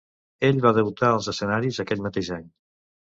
Ell va debutar als escenaris aquell mateix any.